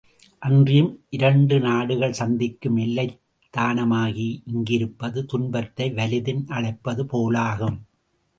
அன்றியும் இரண்டு நாடுகள் சந்திக்கும் எல்லைத் தானமாகிய இங்கிருப்பது துன்பத்தை வலிதின் அழைப்பது போலாகும்.